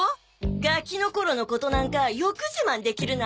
ガキの頃のことなんかよく自慢できるな。